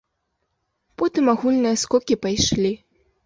Потым агульныя скокі пайшлі.